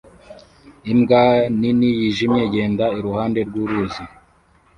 Imbwa nini yijimye igenda iruhande rwuruzi